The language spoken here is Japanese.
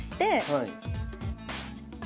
はい。